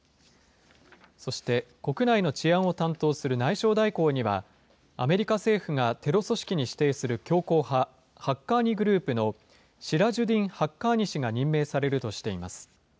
そして国内の治安を担当する内相代行には、アメリカ政府がテロ組織に指定する強硬派、ハッカーニ・グループのシラジュディン・ハッカーニ氏が任命されるとしています。